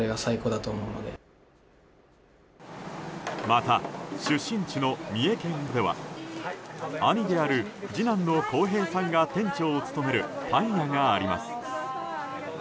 また出身地の三重県では兄である次男の晃平さんが店長を務めるパン屋があります。